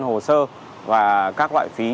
hồ sơ và các loại phí